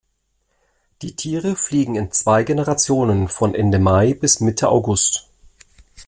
Die Tiere fliegen in zwei Generationen von Ende Mai bis Mitte August.